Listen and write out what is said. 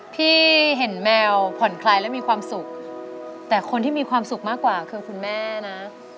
ที่เห็นแมวผ่อนคลายและมีความสุขแต่คนที่มีความสุขมากกว่าคือคุณแม่นะ